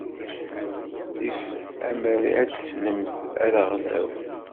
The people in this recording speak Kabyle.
Tif amer ad telsemt araɣdaw.